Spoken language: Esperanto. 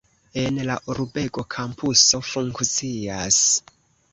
En la urbego kampuso funkcias.